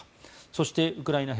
そしてウクライナ兵